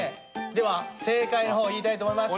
では正解の方を言いたいと思います。